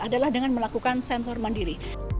adalah dengan melakukan sensor mandiri